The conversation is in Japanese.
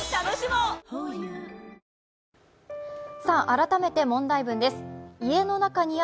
改めて問題文です。